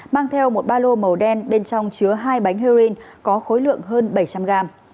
mang theo một ba lô màu đen bên trong chứa hai bánh heroin có khối lượng hơn bảy trăm linh gram